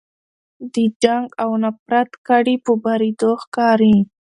د جنګ او نفرت کډې په بارېدو ښکاري